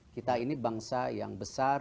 kita ini bangsa yang besar